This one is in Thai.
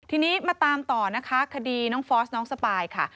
ทีนี้มาตามต่อนะคะคดีน้องฟอสน้องสปายค่ะ